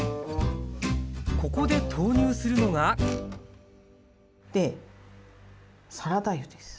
ここで投入するのがでサラダ油です。